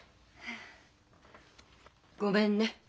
ごめんね。